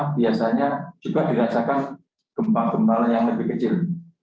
biasanya juga dirasakan gempa gempa yang lebih kecil